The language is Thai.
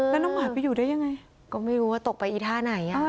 แล้วน้องหมาไปอยู่ได้ยังไงก็ไม่รู้ว่าตกไปอีท่าไหน